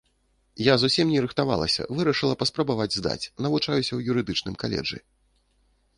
Я зусім не рыхтавалася, вырашыла паспрабаваць здаць, навучаюся ў юрыдычным каледжы.